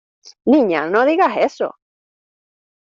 ¡ niña, no digas eso!...